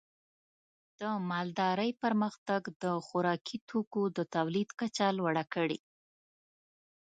د مالدارۍ پرمختګ د خوراکي توکو د تولید کچه لوړه کړې.